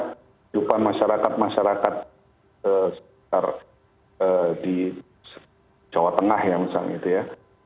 kehidupan masyarakat masyarakat sekitar di jawa tengah ya misalnya itu ya